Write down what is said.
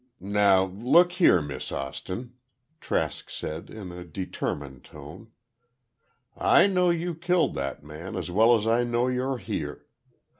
"Now, look here, Miss Austin," Trask said, in a determined tone, "I know you killed that man as well as I know you're here.